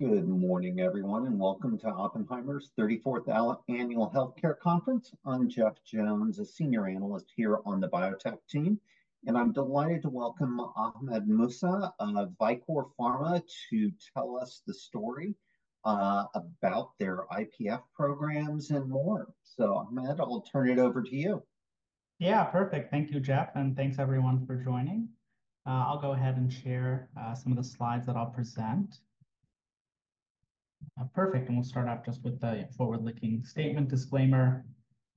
Good morning, everyone, and welcome to Oppenheimer's 34th Annual Healthcare Conference. I'm Jeff Jones, a senior analyst here on the biotech team, and I'm delighted to welcome Ahmed Mousa of Vicore Pharma to tell us the story, about their IPF programs and more. So, Ahmed, I'll turn it over to you. Yeah, perfect. Thank you, Jeff, and thanks, everyone, for joining. I'll go ahead and share some of the slides that I'll present. Perfect, and we'll start off just with the forward-looking statement disclaimer.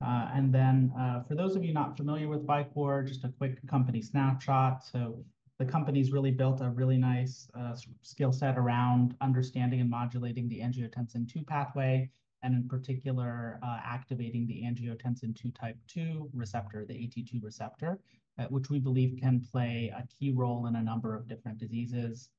And then, for those of you not familiar with Vicore, just a quick company snapshot. So the company's really built a really nice skill set around understanding and modulating the angiotensin II pathway, and in particular, activating the angiotensin II type 2 receptor, the AT2 receptor, which we believe can play a key role in a number of different diseases,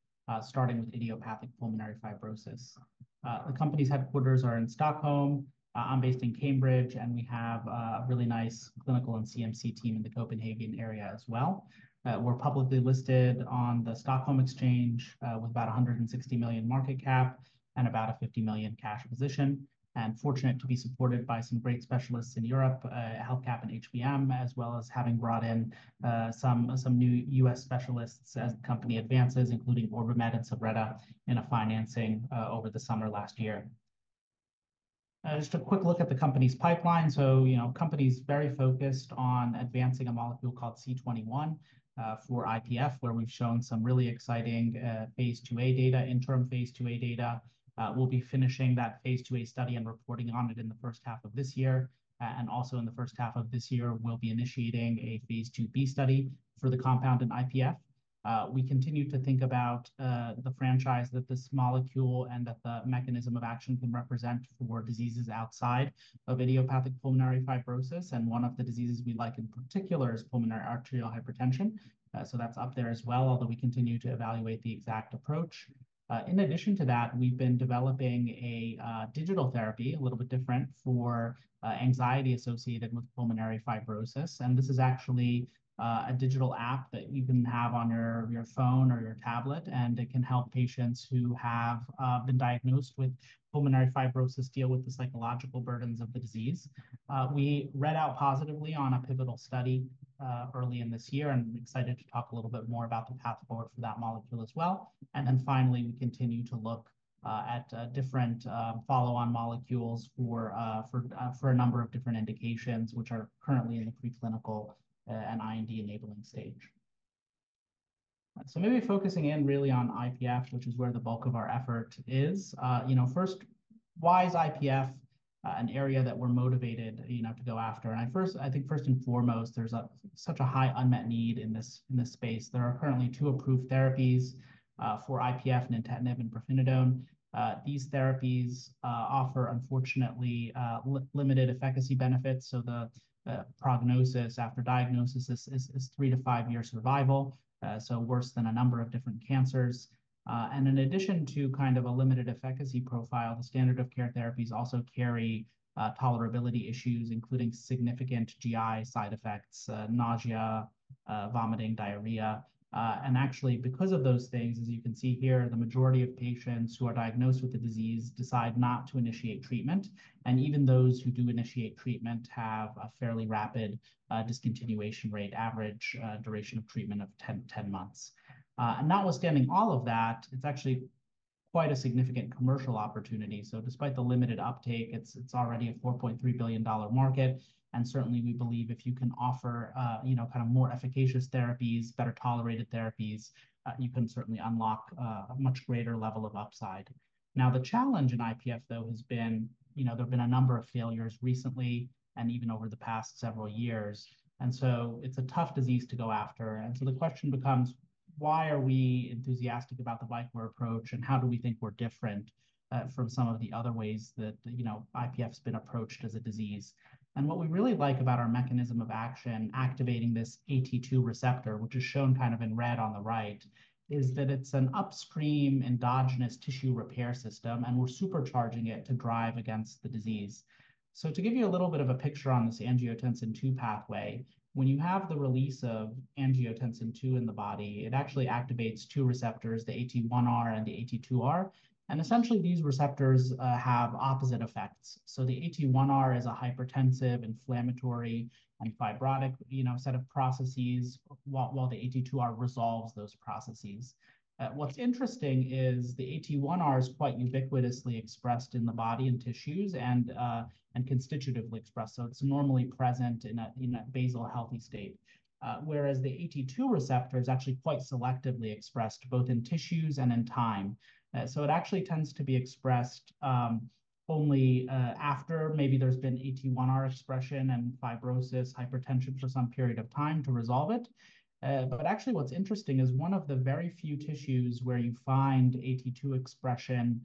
starting with idiopathic pulmonary fibrosis. The company's headquarters are in Stockholm. I'm based in Cambridge, and we have a really nice clinical and CMC team in the Copenhagen area as well. We're publicly listed on the Stockholm Exchange, with about a $160 million market cap and about a $50 million cash position, and fortunate to be supported by some great specialists in Europe, HealthCap and HBM, as well as having brought in some new U.S. specialists as the company advances, including OrbiMed and Suvretta in a financing over the summer last year. Just a quick look at the company's pipeline. So, you know, the company's very focused on advancing a molecule called C21 for IPF, where we've shown some really exciting phase IIa data, interim phase IIa data. We'll be finishing that phase IIa study and reporting on it in the first half of this year. Also in the first half of this year, we'll be initiating a phase IIb study for the compound in IPF. We continue to think about the franchise that this molecule and that the mechanism of action can represent for diseases outside of idiopathic pulmonary fibrosis. And one of the diseases we like in particular is pulmonary arterial hypertension. So that's up there as well, although we continue to evaluate the exact approach. In addition to that, we've been developing a digital therapy, a little bit different, for anxiety associated with pulmonary fibrosis. And this is actually a digital app that you can have on your phone or your tablet, and it can help patients who have been diagnosed with pulmonary fibrosis deal with the psychological burdens of the disease. We read out positively on a pivotal study early in this year, and I'm excited to talk a little bit more about the path forward for that molecule as well. And then finally, we continue to look at different follow-on molecules for a number of different indications, which are currently in the preclinical and IND-enabling stage. So maybe focusing in really on IPF, which is where the bulk of our effort is. You know, first, why is IPF an area that we're motivated, you know, to go after? And I first, I think, first and foremost, there's such a high unmet need in this, in this space. There are currently two approved therapies for IPF, nintedanib, and pirfenidone. These therapies offer, unfortunately, limited efficacy benefits. So the prognosis after diagnosis is three to five years survival, so worse than a number of different cancers. And in addition to kind of a limited efficacy profile, the standard of care therapies also carry tolerability issues, including significant GI side effects, nausea, vomiting, diarrhea. Actually, because of those things, as you can see here, the majority of patients who are diagnosed with the disease decide not to initiate treatment. And even those who do initiate treatment have a fairly rapid discontinuation rate, average duration of treatment of 10, 10 months. Notwithstanding all of that, it's actually quite a significant commercial opportunity. So despite the limited uptake, it's, it's already a $4.3 billion market. And certainly, we believe if you can offer, you know, kind of more efficacious therapies, better tolerated therapies, you can certainly unlock, a much greater level of upside. Now, the challenge in IPF, though, has been, you know, there've been a number of failures recently and even over the past several years. And so it's a tough disease to go after. So the question becomes, why are we enthusiastic about the Vicore approach, and how do we think we're different from some of the other ways that, you know, IPF's been approached as a disease? And what we really like about our mechanism of action, activating this AT2 receptor, which is shown kind of in red on the right, is that it's an upstream endogenous tissue repair system, and we're supercharging it to drive against the disease. So to give you a little bit of a picture on this angiotensin II pathway, when you have the release of angiotensin II in the body, it actually activates two receptors, the AT1R and the AT2R. And essentially, these receptors have opposite effects. So the AT1R is a hypertensive, inflammatory, and fibrotic, you know, set of processes, while, while the AT2R resolves those processes. What's interesting is the AT1R is quite ubiquitously expressed in the body and tissues and constitutively expressed. So it's normally present in a basal healthy state. Whereas the AT2 receptor is actually quite selectively expressed both in tissues and in time. So it actually tends to be expressed only after maybe there's been AT1R expression and fibrosis, hypertension for some period of time to resolve it. But actually, what's interesting is one of the very few tissues where you find AT2 expression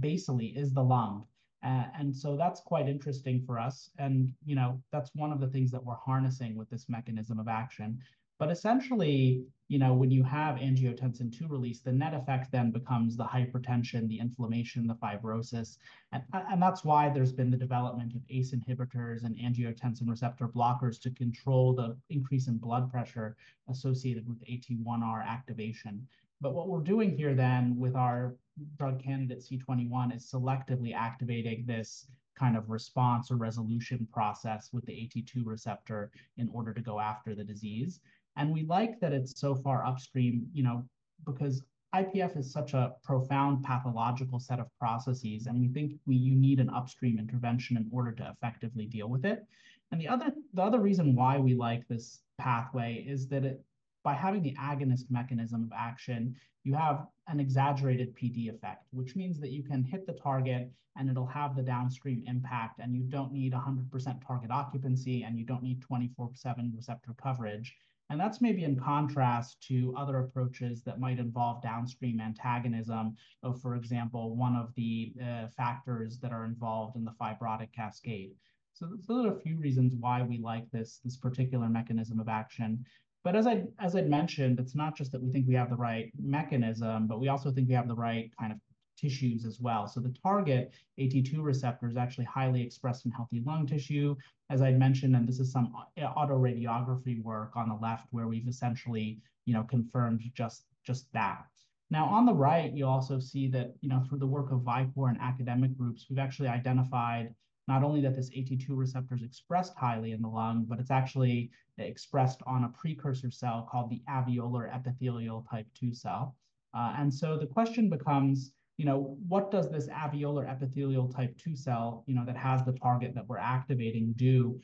basally is the lung. And so that's quite interesting for us. And, you know, that's one of the things that we're harnessing with this mechanism of action. But essentially, you know, when you have angiotensin II release, the net effect then becomes the hypertension, the inflammation, the fibrosis. And that's why there's been the development of ACE inhibitors and angiotensin receptor blockers to control the increase in blood pressure associated with AT1R activation. But what we're doing here then with our drug candidate C21 is selectively activating this kind of response or resolution process with the AT2 receptor in order to go after the disease. And we like that it's so far upstream, you know, because IPF is such a profound pathological set of processes, and we think we need an upstream intervention in order to effectively deal with it. And the other reason why we like this pathway is that it, by having the agonist mechanism of action, you have an exaggerated PD effect, which means that you can hit the target and it'll have the downstream impact, and you don't need 100% target occupancy, and you don't need 24/7 receptor coverage. That's maybe in contrast to other approaches that might involve downstream antagonism of, for example, one of the factors that are involved in the fibrotic cascade. Those are a few reasons why we like this particular mechanism of action. But as I'd mentioned, it's not just that we think we have the right mechanism, but we also think we have the right kind of tissues as well. The target AT2 receptor is actually highly expressed in healthy lung tissue, as I'd mentioned, and this is some autoradiography work on the left where we've essentially, you know, confirmed just that. Now, on the right, you also see that, you know, through the work of Vicore and academic groups, we've actually identified not only that this AT2 receptor is expressed highly in the lung, but it's actually expressed on a precursor cell called the alveolar epithelial type II cell. And so the question becomes, you know, what does this alveolar epithelial type II cell, you know, that has the target that we're activating do,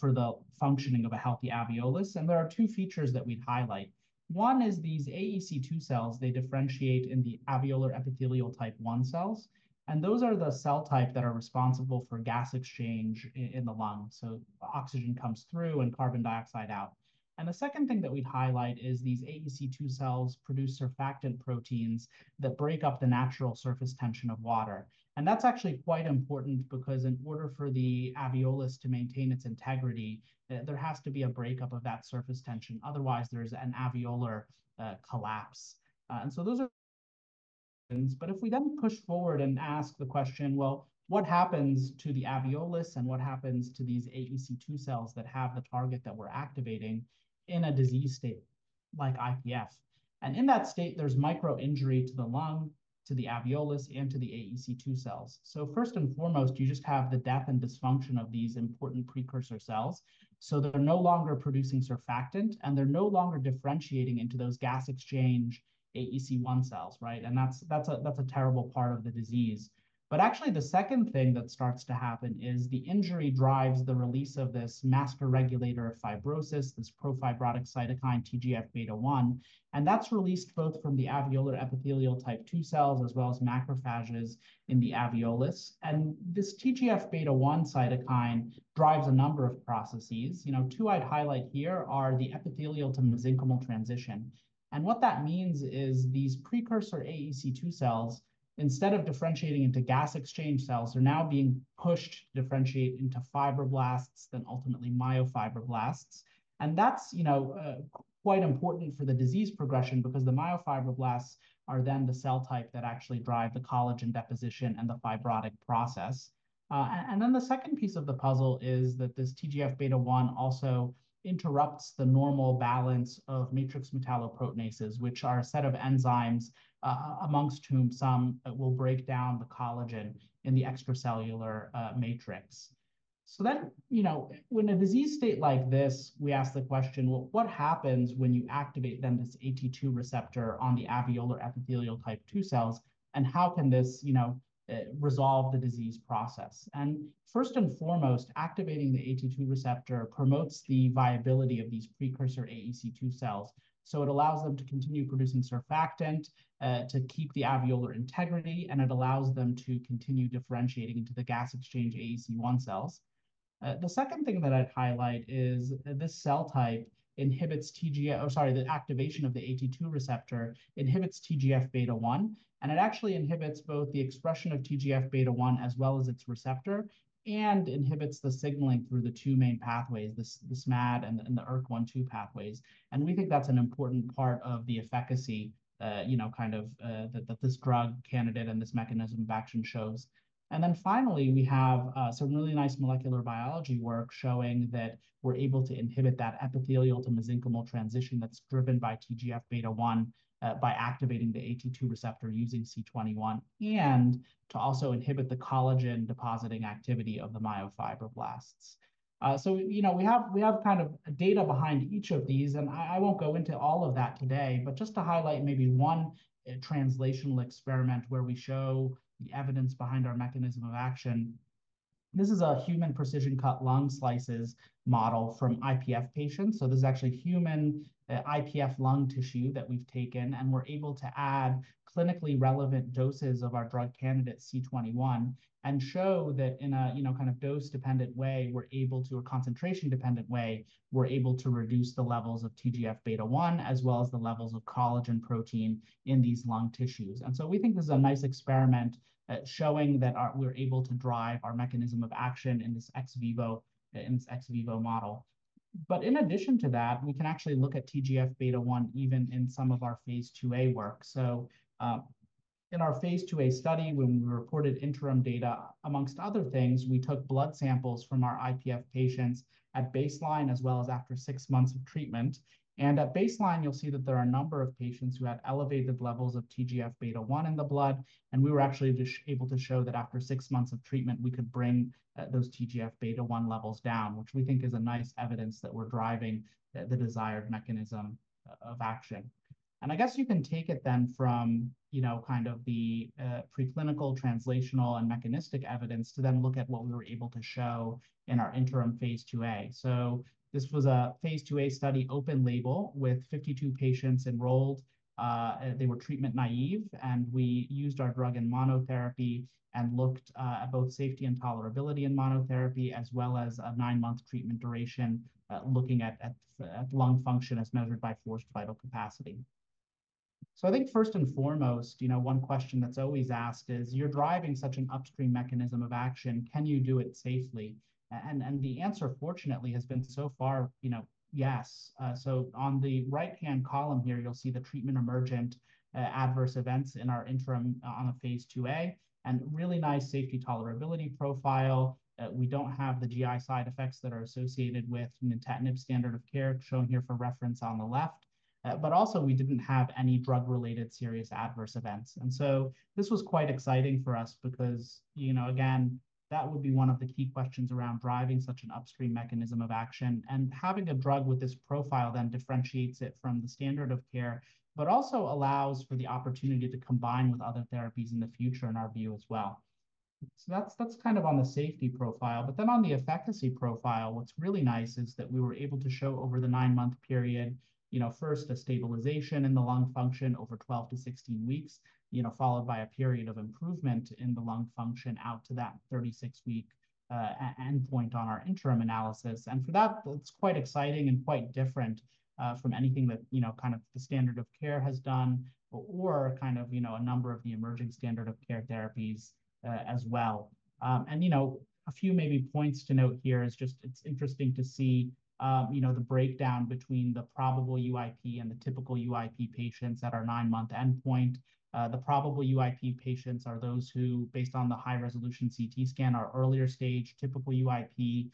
for the functioning of a healthy alveolus? And there are two features that we'd highlight. One is these AEC II cells. They differentiate in the alveolar epithelial type I cells. And those are the cell type that are responsible for gas exchange in the lung. So oxygen comes through and carbon dioxide out. And the second thing that we'd highlight is these AEC II cells produce surfactant proteins that break up the natural surface tension of water. That's actually quite important because in order for the alveolus to maintain its integrity, there has to be a breakup of that surface tension. Otherwise, there's an alveolar collapse. But if we then push forward and ask the question, well, what happens to the alveolus and what happens to these AEC II cells that have the target that we're activating in a disease state like IPF? In that state, there's micro injury to the lung, to the alveolus, and to the AEC II cells. First and foremost, you just have the death and dysfunction of these important precursor cells. They're no longer producing surfactant, and they're no longer differentiating into those gas exchange AEC I cells, right? That's a terrible part of the disease. But actually, the second thing that starts to happen is the injury drives the release of this master regulator of fibrosis, this profibrotic cytokine, TGF-β1. That's released both from the alveolar epithelial type II cells as well as macrophages in the alveolus. This TGF-β1 cytokine drives a number of processes. You know, two I'd highlight here are the epithelial to mesenchymal transition. What that means is these precursor AECII cells, instead of differentiating into gas exchange cells, are now being pushed to differentiate into fibroblasts, then ultimately myofibroblasts. That's, you know, quite important for the disease progression because the myofibroblasts are then the cell type that actually drive the collagen deposition and the fibrotic process. And then the second piece of the puzzle is that this TGF-β1 also interrupts the normal balance of matrix metalloproteinases, which are a set of enzymes, among whom some will break down the collagen in the extracellular matrix. So then, you know, when a disease state like this, we ask the question, well, what happens when you activate then this AT2 receptor on the alveolar epithelial type II cells, and how can this, you know, resolve the disease process? And first and foremost, activating the AT2 receptor promotes the viability of these precursor AECII cells. So it allows them to continue producing surfactant, to keep the alveolar integrity, and it allows them to continue differentiating into the gas exchange AECI cells. The second thing that I'd highlight is this cell type inhibits TGF, or sorry, the activation of the AT2 receptor inhibits TGF-β1. It actually inhibits both the expression of TGF-β1 as well as its receptor and inhibits the signaling through the two main pathways, this Smad and the ERK1/2 pathways. And we think that's an important part of the efficacy, you know, kind of, that this drug candidate and this mechanism of action shows. And then finally, we have some really nice molecular biology work showing that we're able to inhibit that epithelial to mesenchymal transition that's driven by TGF-β1, by activating the AT2 receptor using C21 and to also inhibit the collagen depositing activity of the myofibroblasts. So, you know, we have kind of data behind each of these, and I won't go into all of that today, but just to highlight maybe one translational experiment where we show the evidence behind our mechanism of action. This is a human precision cut lung slices model from IPF patients. So this is actually human, IPF lung tissue that we've taken, and we're able to add clinically relevant doses of our drug candidate C21 and show that in a, you know, kind of dose-dependent way, we're able to, or concentration-dependent way, we're able to reduce the levels of TGF-β1 as well as the levels of collagen protein in these lung tissues. And so we think this is a nice experiment, showing that we're able to drive our mechanism of action in this ex vivo, in this ex vivo model. But in addition to that, we can actually look at TGF-β1 even in some of our phase IIA work. So, in our phase IIA study, when we reported interim data, among other things, we took blood samples from our IPF patients at baseline as well as after six months of treatment. At baseline, you'll see that there are a number of patients who had elevated levels of TGF-β1 in the blood. And we were actually able to show that after six months of treatment, we could bring those TGF-β1 levels down, which we think is a nice evidence that we're driving the desired mechanism of action. And I guess you can take it then from, you know, kind of the preclinical, translational, and mechanistic evidence to then look at what we were able to show in our interim phase IIA. This was a phase IIA study, open label, with 52 patients enrolled. They were treatment naive, and we used our drug in monotherapy and looked at both safety and tolerability in monotherapy as well as a 9-month treatment duration, looking at lung function as measured by forced vital capacity. So I think first and foremost, you know, one question that's always asked is, you're driving such an upstream mechanism of action, can you do it safely? And the answer, fortunately, has been so far, you know, yes. So on the right-hand column here, you'll see the treatment emergent adverse events in our interim on a phase IIa. And really nice safety tolerability profile. We don't have the GI side effects that are associated with nintedanib standard of care shown here for reference on the left. But also, we didn't have any drug-related serious adverse events. And so this was quite exciting for us because, you know, again, that would be one of the key questions around driving such an upstream mechanism of action. And having a drug with this profile then differentiates it from the standard of care, but also allows for the opportunity to combine with other therapies in the future in our view as well. So that's, that's kind of on the safety profile. But then on the efficacy profile, what's really nice is that we were able to show over the nine-month period, you know, first a stabilization in the lung function over 12-16 weeks, you know, followed by a period of improvement in the lung function out to that 36-week endpoint on our interim analysis. For that, it's quite exciting and quite different from anything that, you know, kind of the standard of care has done or kind of, you know, a number of the emerging standard of care therapies, as well. You know, a few maybe points to note here is just it's interesting to see, you know, the breakdown between the probable UIP and the typical UIP patients at our nine-month endpoint. The probable UIP patients are those who, based on the high-resolution CT scan, are earlier stage. Typical UIP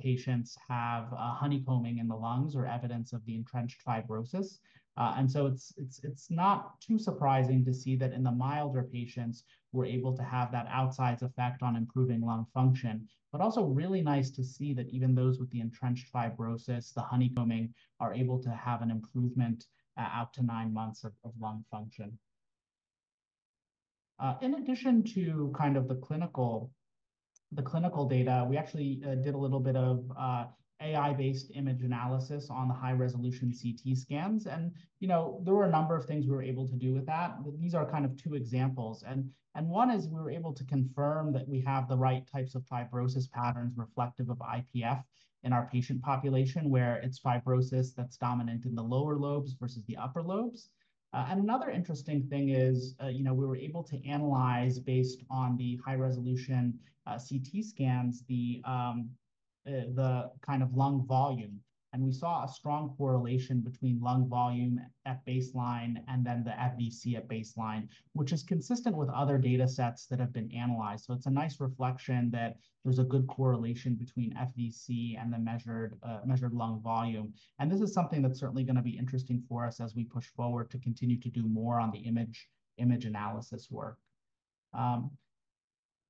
patients have a honeycombing in the lungs or evidence of the entrenched fibrosis. So it's, it's, it's not too surprising to see that in the milder patients, we're able to have that outsize effect on improving lung function. But also really nice to see that even those with the entrenched fibrosis, the honeycombing, are able to have an improvement, out to nine months of lung function. In addition to kind of the clinical data, we actually did a little bit of AI-based image analysis on the high-resolution CT scans. And you know, there were a number of things we were able to do with that. But these are kind of two examples. And one is we were able to confirm that we have the right types of fibrosis patterns reflective of IPF in our patient population where it's fibrosis that's dominant in the lower lobes versus the upper lobes. And another interesting thing is, you know, we were able to analyze based on the high-resolution CT scans, the kind of lung volume. And we saw a strong correlation between lung volume at baseline and then the FVC at baseline, which is consistent with other data sets that have been analyzed. So it's a nice reflection that there's a good correlation between FVC and the measured, measured lung volume. And this is something that's certainly going to be interesting for us as we push forward to continue to do more on the image, image analysis work.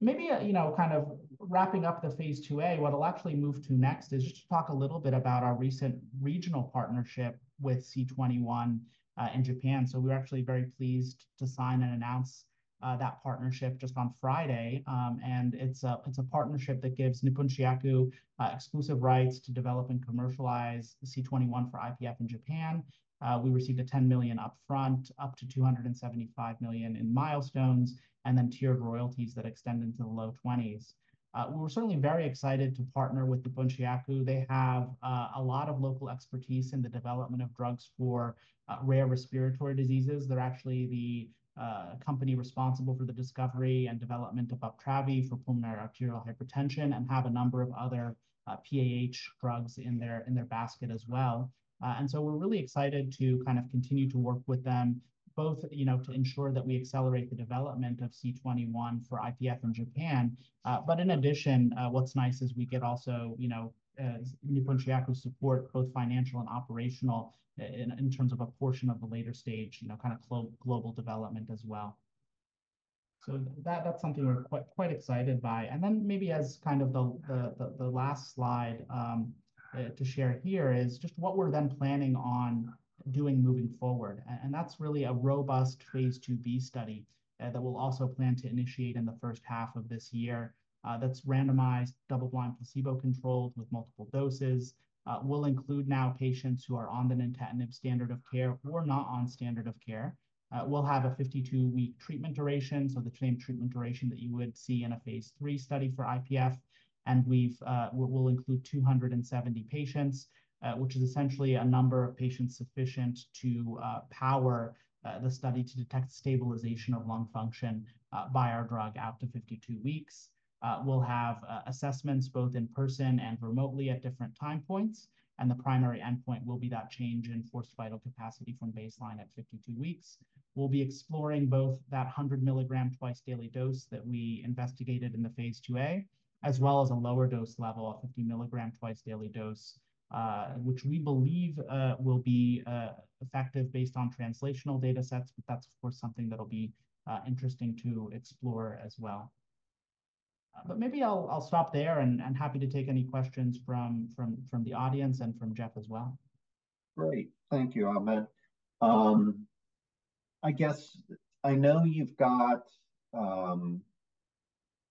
Maybe, you know, kind of wrapping up the phase IIA, what I'll actually move to next is just to talk a little bit about our recent regional partnership with C21 in Japan. So we were actually very pleased to sign and announce that partnership just on Friday. And it's a, it's a partnership that gives Nippon Shinyaku exclusive rights to develop and commercialize C21 for IPF in Japan. We received a $10 million upfront, up to $275 million in milestones, and then tiered royalties that extend into the low 20s. We were certainly very excited to partner with Nippon Shinyaku. They have a lot of local expertise in the development of drugs for rare respiratory diseases. They're actually the company responsible for the discovery and development of Uptravi for pulmonary arterial hypertension and have a number of other PAH drugs in their basket as well. And so we're really excited to kind of continue to work with them, both, you know, to ensure that we accelerate the development of C21 for IPF in Japan. But in addition, what's nice is we get also, you know, Nippon Shinyaku support, both financial and operational, in terms of a portion of the later stage, you know, kind of global development as well. So that's something we're quite excited by. And then maybe as kind of the last slide to share here is just what we're then planning on doing moving forward. And that's really a robust phase IIB study that we'll also plan to initiate in the first half of this year. That's randomized, double-blind placebo controlled with multiple doses. We'll include now patients who are on the nintedanib standard of care or not on standard of care. We'll have a 52-week treatment duration, so the same treatment duration that you would see in a phase III study for IPF. And we'll include 270 patients, which is essentially a number of patients sufficient to power the study to detect stabilization of lung function by our drug out to 52 weeks. We'll have assessments both in person and remotely at different time points. The primary endpoint will be that change in forced vital capacity from baseline at 52 weeks. We'll be exploring both that 100 mg twice daily dose that we investigated in the phase IIA, as well as a lower dose level, a 50 mg twice daily dose, which we believe will be effective based on translational data sets. But that's, of course, something that'll be interesting to explore as well. But maybe I'll stop there and happy to take any questions from the audience and from Jeff as well. Great. Thank you, Ahmed. I guess I know you've got,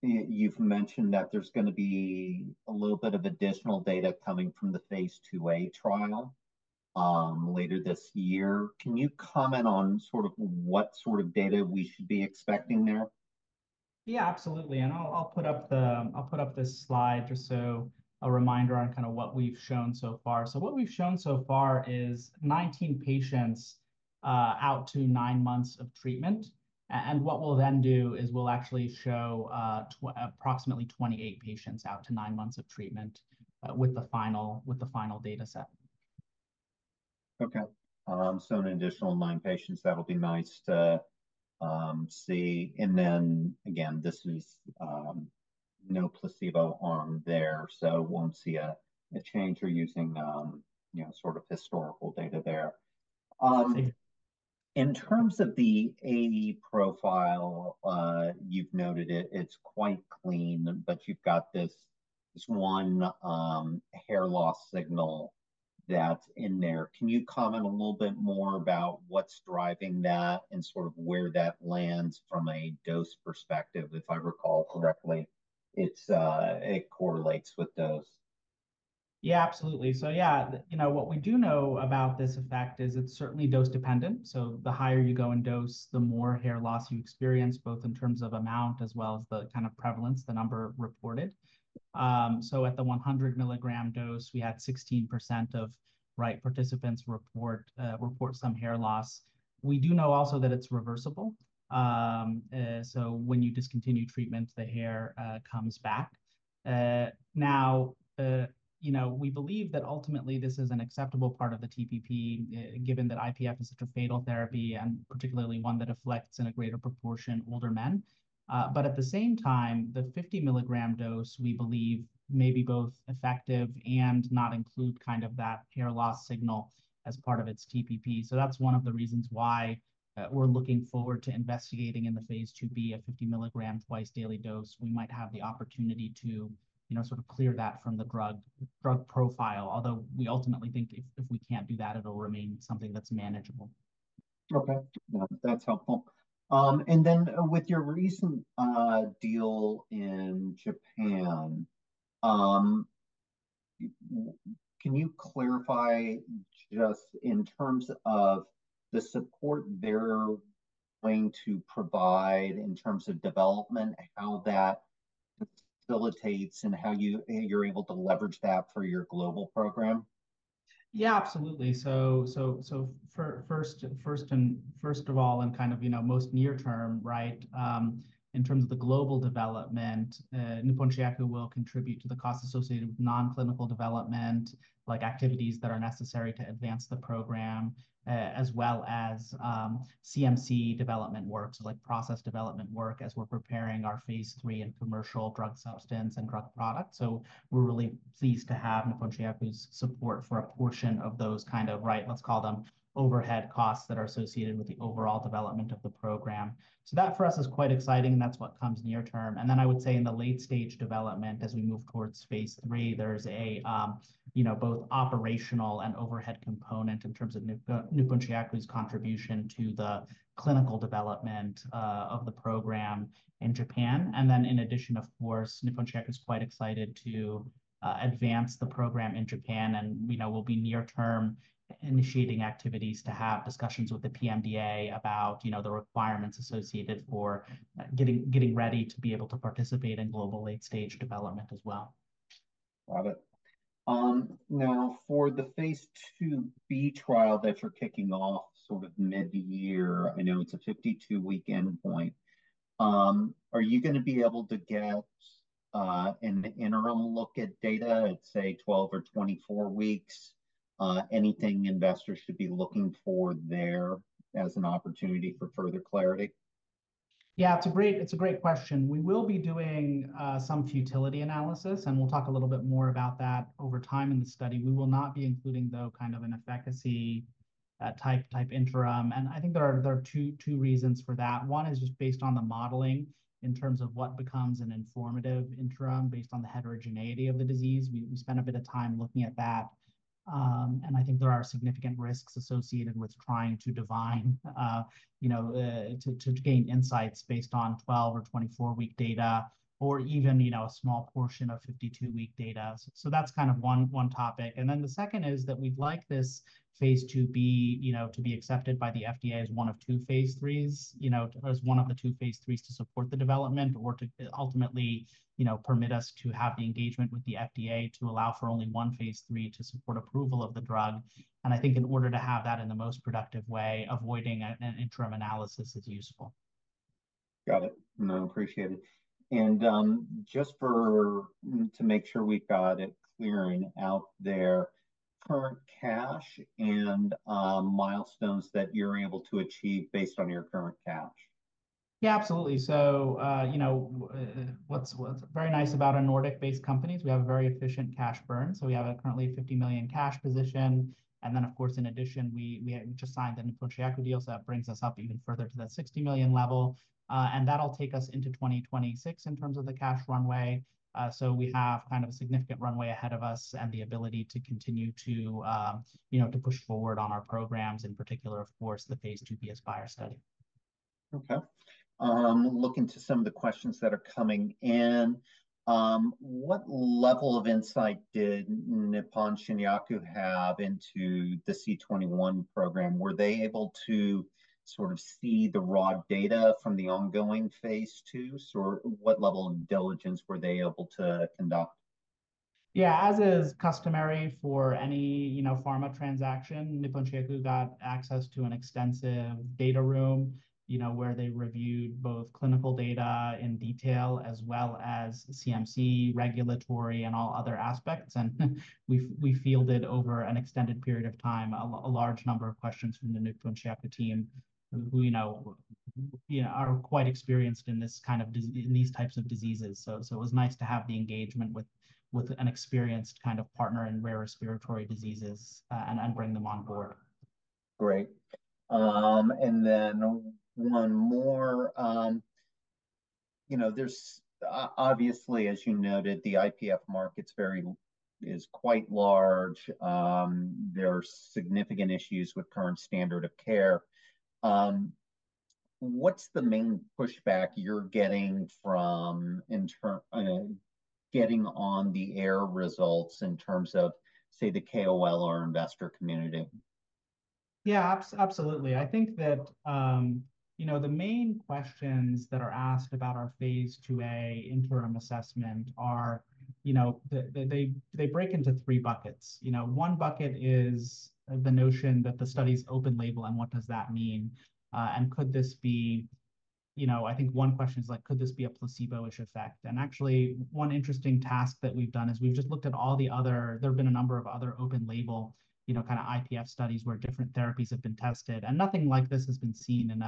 you've mentioned that there's going to be a little bit of additional data coming from the phase IIA trial later this year. Can you comment on sort of what sort of data we should be expecting there? Yeah, absolutely. And I'll put up this slide just so a reminder on kind of what we've shown so far. So what we've shown so far is 19 patients out to nine months of treatment. And what we'll then do is we'll actually show approximately 28 patients out to nine months of treatment with the final data set. Okay. So an additional nine patients, that'll be nice to see. And then again, this is no placebo arm there, so won't see a change or using, you know, sort of historical data there. In terms of the AE profile, you've noted it's quite clean, but you've got this one hair loss signal that's in there. Can you comment a little bit more about what's driving that and sort of where that lands from a dose perspective, if I recall correctly? It correlates with those. Yeah, absolutely. So yeah, you know, what we do know about this effect is it's certainly dose-dependent. So the higher you go in dose, the more hair loss you experience, both in terms of amount as well as the kind of prevalence, the number reported. So at the 100 mg dose, we had 16% of right participants report some hair loss. We do know also that it's reversible. So when you discontinue treatment, the hair comes back. Now, you know, we believe that ultimately this is an acceptable part of the TPP, given that IPF is such a fatal therapy and particularly one that affects in a greater proportion older men. But at the same time, the 50 mg dose, we believe, may be both effective and not include kind of that hair loss signal as part of its TPP. So that's one of the reasons why we're looking forward to investigating in the phase IIB a 50 mg twice daily dose. We might have the opportunity to, you know, sort of clear that from the drug, drug profile, although we ultimately think if we can't do that, it'll remain something that's manageable. Okay. That's helpful. And then with your recent deal in Japan, can you clarify just in terms of the support they're going to provide in terms of development, how that facilitates and how you're able to leverage that for your global program? Yeah, absolutely. So first of all, and kind of, you know, most near term, right, in terms of the global development, Nippon Shinyaku will contribute to the costs associated with non-clinical development, like activities that are necessary to advance the program, as well as CMC development work, so like process development work as we're preparing our Phase 3 and commercial drug substance and drug product. So we're really pleased to have Nippon Shinyaku's support for a portion of those kind of, right, let's call them overhead costs that are associated with the overall development of the program. So that for us is quite exciting, and that's what comes near term. And then I would say in the late stage development, as we move towards Phase 3, there's a, you know, both operational and overhead component in terms of Nippon Shinyaku's contribution to the clinical development of the program in Japan. And then in addition, of course, Nippon Shinyaku is quite excited to advance the program in Japan. And, you know, we'll be near term initiating activities to have discussions with the PMDA about, you know, the requirements associated for getting ready to be able to participate in global late stage development as well. Got it. Now, for the phase IIB trial that you're kicking off sort of mid-year, I know it's a 52-week endpoint. Are you going to be able to get an interim look at data at, say, 12 or 24 weeks? Anything investors should be looking for there as an opportunity for further clarity? Yeah, it's a great, it's a great question. We will be doing some futility analysis, and we'll talk a little bit more about that over time in the study. We will not be including, though, kind of an efficacy type interim. I think there are two reasons for that. One is just based on the modeling in terms of what becomes an informative interim based on the heterogeneity of the disease. We spent a bit of time looking at that. And I think there are significant risks associated with trying to define, you know, to gain insights based on 12- or 24-week data or even, you know, a small portion of 52-week data. That's kind of one topic. And then the second is that we'd like this phase IIB, you know, to be accepted by the FDA as one of two Phase 3s, you know, as one of the two Phase 3s to support the development or to ultimately, you know, permit us to hav e the engagement with the FDA to allow for only one Phase 3 to support approval of the drug. And I think in order to have that in the most productive way, avoiding an interim analysis is useful. Got it. No, appreciate it. And just for to make sure we've got it clear out there, current cash and milestones that you're able to achieve based on your current cash. Yeah, absolutely. So, you know, what's, what's very nice about a Nordic-based company, we have a very efficient cash burn. So we currently have a $50 million cash position. And then, of course, in addition, we just signed the Nippon Shinyaku deal, so that brings us up even further to that $60 million level. And that'll take us into 2026 in terms of the cash runway. So we have kind of a significant runway ahead of us and the ability to continue to, you know, to push forward on our programs, in particular, of course, the Phase 2b ASPIRE study. Okay. Looking to some of the questions that are coming in, what level of insight did Nippon Shinyaku have into the C21 program? Were they able to sort of see the raw data from the ongoing Phase 2, or what level of diligence were they able to conduct? Yeah, as is customary for any, you know, pharma transaction, Nippon Shinyaku got access to an extensive data room, you know, where they reviewed both clinical data in detail as well as CMC, regulatory, and all other aspects. We fielded over an extended period of time a large number of questions from the Nippon Shinyaku team who, you know, are quite experienced in this kind of in these types of diseases. So it was nice to have the engagement with an experienced kind of partner in rare respiratory diseases and bring them on board. Great. And then one more, you know, there's obviously, as you noted, the IPF market is quite large. There are significant issues with current standard of care. What's the main pushback you're getting from in terms getting on the AIR results in terms of, say, the KOL or investor community? Yeah, absolutely. I think that, you know, the main questions that are asked about our phase IIa interim assessment are, you know, they break into three buckets. You know, one bucket is the notion that the study's open label and what does that mean? And could this be, you know, I think one question is like, could this be a placebo-ish effect? And actually, one interesting tack that we've done is we've just looked at all the other. There've been a number of other open label, you know, kind of IPF studies where different therapies have been tested. Nothing like this has been seen in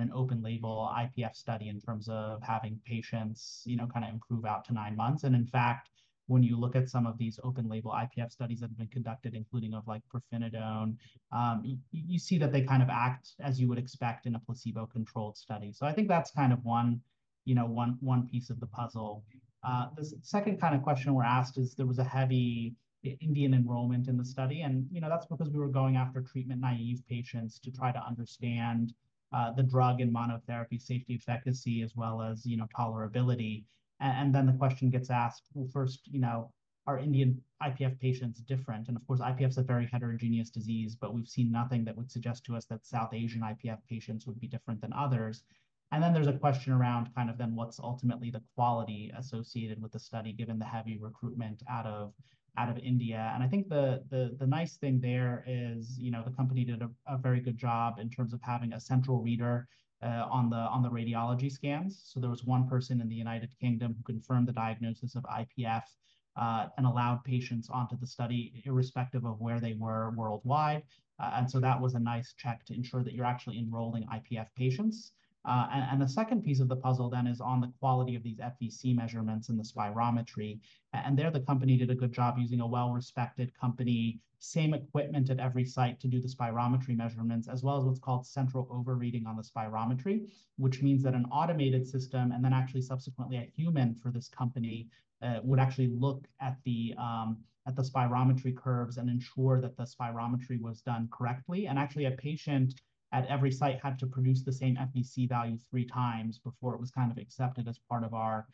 an open label IPF study in terms of having patients, you know, kind of improve out to nine months. In fact, when you look at some of these open label IPF studies that have been conducted, including of like pirfenidone, you see that they kind of act as you would expect in a placebo-controlled study. So I think that's kind of one, you know, one, one piece of the puzzle. The second kind of question we're asked is there was a heavy Indian enrollment in the study. And, you know, that's because we were going after treatment naive patients to try to understand the drug and monotherapy safety efficacy as well as, you know, tolerability. And then the question gets asked, well, first, you know, are Indian IPF patients different? Of course, IPF is a very heterogeneous disease, but we've seen nothing that would suggest to us that South Asian IPF patients would be different than others. And then there's a question around kind of then what's ultimately the quality associated with the study given the heavy recruitment out of India. And I think the nice thing there is, you know, the company did a very good job in terms of having a central reader on the radiology scans. So there was one person in the United Kingdom who confirmed the diagnosis of IPF and allowed patients onto the study irrespective of where they were worldwide. And so that was a nice check to ensure that you're actually enrolling IPF patients. And the second piece of the puzzle then is on the quality of these FVC measurements and the spirometry. There the company did a good job using a well-respected company, same equipment at every site to do the spirometry measurements as well as what's called central overreading on the spirometry, which means that an automated system and then actually subsequently a human for this company would actually look at the spirometry curves and ensure that the spirometry was done correctly. Actually a patient at every site had to produce the same FVC value three times before it was kind of accepted as part of our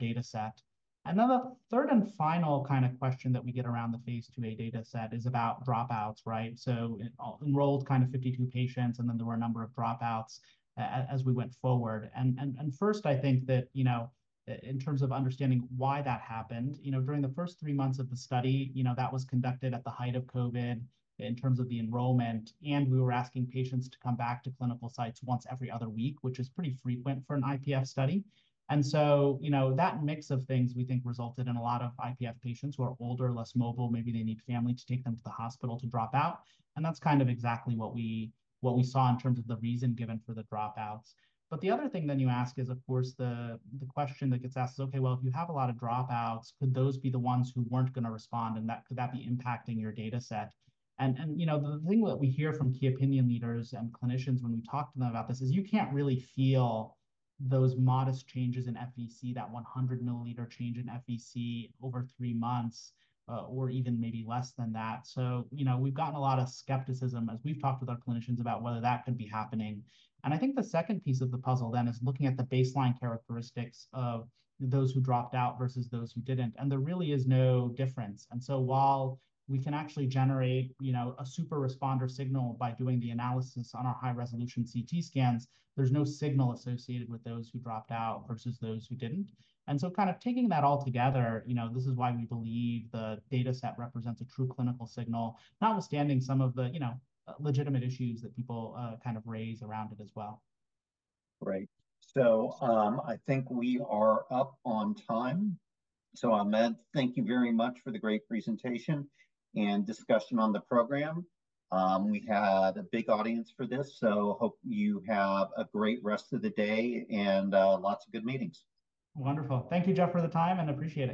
data set. Then the third and final kind of question that we get around the Phase 2a data set is about dropouts, right? So enrolled kind of 52 patients, and then there were a number of dropouts as we went forward. First, I think that, you know, in terms of understanding why that happened, you know, during the first three months of the study, you know, that was conducted at the height of COVID in terms of the enrollment. We were asking patients to come back to clinical sites once every other week, which is pretty frequent for an IPF study. So, you know, that mix of things we think resulted in a lot of IPF patients who are older, less mobile, maybe they need family to take them to the hospital to drop out. That's kind of exactly what we saw in terms of the reason given for the dropouts. But the other thing then you ask is, of course, the question that gets asked is, okay, well, if you have a lot of dropouts, could those be the ones who weren't going to respond? And that could be impacting your data set? And, you know, the thing that we hear from key opinion leaders and clinicians when we talk to them about this is you can't really feel those modest changes in FVC, that 100 milliliter change in FVC over three months or even maybe less than that. So, you know, we've gotten a lot of skepticism as we've talked with our clinicians about whether that could be happening. And I think the second piece of the puzzle then is looking at the baseline characteristics of those who dropped out versus those who didn't. And there really is no difference. And so while we can actually generate, you know, a super responder signal by doing the analysis on our high-resolution CT scans, there's no signal associated with those who dropped out versus those who didn't. And so kind of taking that all together, you know, this is why we believe the data set represents a true clinical signal, notwithstanding some of the, you know, legitimate issues that people kind of raise around it as well. Right. So I think we are up on time. So Ahmed, thank you very much for the great presentation and discussion on the program. We had a big audience for this, so hope you have a great rest of the day and lots of good meetings. Wonderful. Thank you, Jeff, for the time, and appreciate it.